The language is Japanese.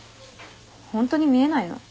ホントに見えないの？